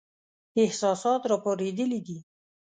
احساسات را پارېدلي دي.